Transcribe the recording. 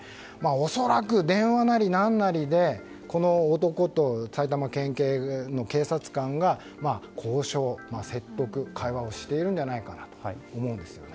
恐らく電話なり何なりでこの男と埼玉県警の警察官が交渉、説得、会話をしていると思います。